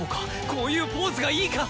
こういうポーズがいいか。